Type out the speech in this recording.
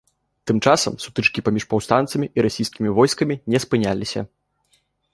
Тым часам сутычкі паміж паўстанцамі і расійскімі войскамі не спыняліся.